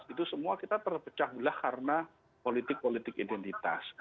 itu semua kita terpecah belah karena politik politik identitas